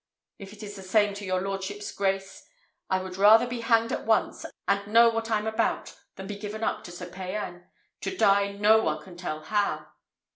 If it is the same to your lordship's grace, I would rather be hanged at once, and know what I'm about, than be given up to Sir Payan, to die no one can tell how."